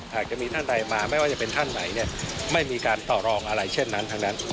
หากจะมีท่านใดมาไม่ว่าจะเป็นท่านไหนเนี่ยไม่มีการต่อรองอะไรเช่นนั้นทั้งนั้น